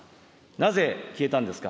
なぜ消えたんですか。